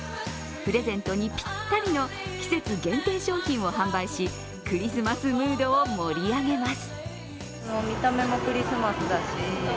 プレゼントにぴったりの季節限定商品を販売しクリスマスムードを盛り上げます。